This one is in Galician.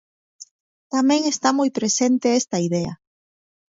Tamén está moi presente esta idea.